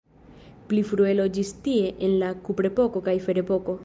Pli frue loĝis tie en la kuprepoko kaj ferepoko.